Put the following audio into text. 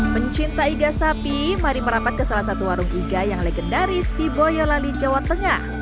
pencinta iga sapi mari merapat ke salah satu warung iga yang legendaris di boyolali jawa tengah